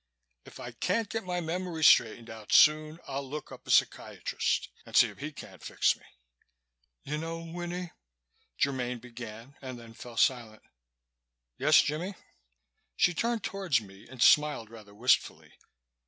If I can't get my memory straightened out soon I'll look up a psychiatrist and see if he can't fix me." "You know, Winnie " Germaine began and then fell silent. "Yes, Jimmie?" She turned towards me and smiled rather wistfully.